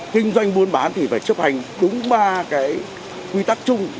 kinh doanh buôn bán thì phải chấp hành đúng ba cái quy tắc chung